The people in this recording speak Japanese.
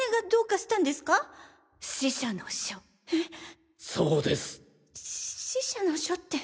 し死者の書って。